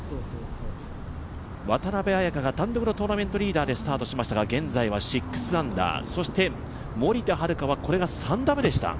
渡邉彩香が単独のトーナメントリーダーでスタートしましたが、現在は６アンダー、そして森田遥はこれが３打目でした。